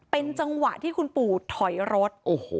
เป็นจังหวะที่คุณปู่ถอยรถ